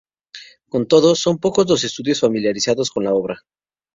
Con todo, son pocos los estudiosos familiarizados con la obra.